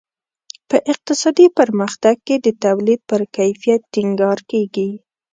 په اقتصادي پرمختګ کې د تولید پر کیفیت ټینګار کیږي.